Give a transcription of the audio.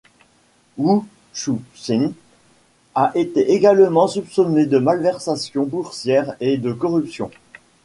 Wu Shu-chen a été également soupçonnée de malversations boursières et de corruption.